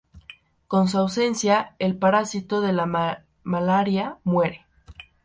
Con su ausencia, el parásito de la malaria muere.